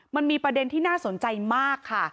มันมีประเด็นที่น่าสนใจมากค่ะ